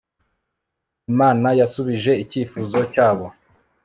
Imana yasubije icyifuzo cyabo